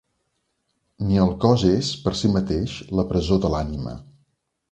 Ni el cos és, per si mateix, la presó de l'ànima.